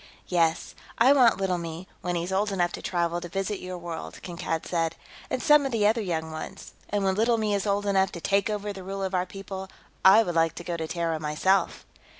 "Yes. I want Little Me, when he's old enough to travel, to visit your world," Kankad said. "And some of the other young ones. And when Little Me is old enough to take over the rule of our people, I would like to go to Terra, myself."